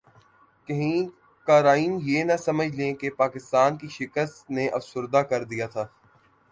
کہیں قارئین یہ نہ سمجھ لیں کہ پاکستان کی شکست نے افسردہ کردیا تھا